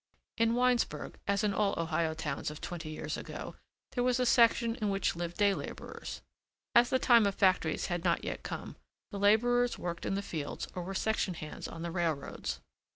In Winesburg, as in all Ohio towns of twenty years ago, there was a section in which lived day laborers. As the time of factories had not yet come, the laborers worked in the fields or were section hands on the railroads.